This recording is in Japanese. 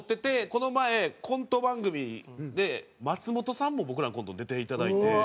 この前コント番組で松本さんも僕らのコントに出ていただいて。